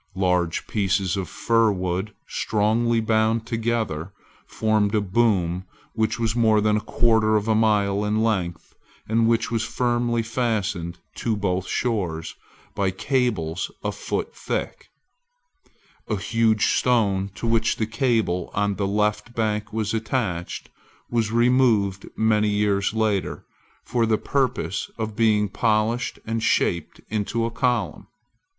Large pieces of fir wood, strongly bound together, formed a boom which was more than a quarter of a mile in length, and which was firmly fastened to both shores, by cables a foot thick, A huge stone, to which the cable on the left bank was attached, was removed many years later, for the purpose of being polished and shaped into a column.